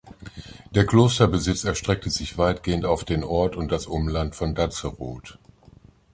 Der Klosterbesitz erstreckte sich weitgehend auf den Ort und das Umland von Datzeroth.